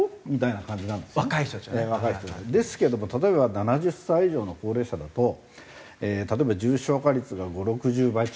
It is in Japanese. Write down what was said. ですけども例えば７０歳以上の高齢者だと例えば重症化率が５０６０倍違ったりとか。